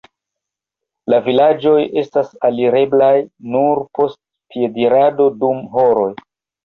La vilaĝoj estas alireblaj nur post piedirado dum horoj.